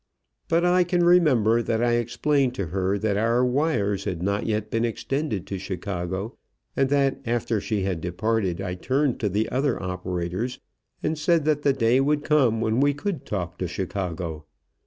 But I can remember that I explained to her that our wires had not yet been extended to Chicago, and that, after she had departed, I turned to the other operators and said that the day would come when we could talk to Chicago.